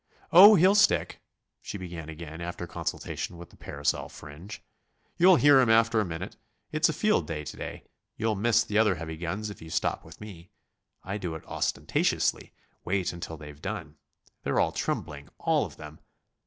"Oh, he'll stick," she began again after consultation with the parasol fringe. "You'll hear him after a minute. It's a field day to day. You'll miss the other heavy guns if you stop with me. I do it ostentatiously wait until they've done. They're all trembling; all of them.